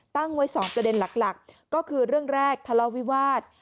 ตั้งไว้๒ประเด็นหลักก็คือเรื่องแรกทะเลาะวิวาส